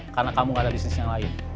karena kamu gak ada bisnis yang lain